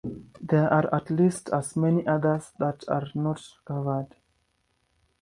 There are at least as many others that are not covered.